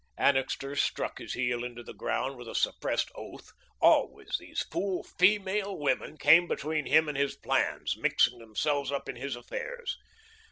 Annixter struck his heel into the ground with a suppressed oath. Always these fool feemale women came between him and his plans, mixing themselves up in his affairs.